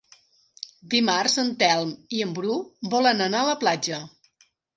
Dimarts en Telm i en Bru volen anar a la platja.